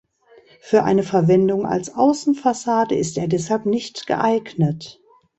Für eine Verwendung als Außenfassade ist er deshalb nicht geeignet.